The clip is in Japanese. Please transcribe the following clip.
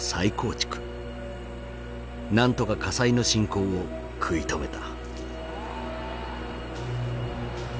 なんとか火災の進行を食い止めた。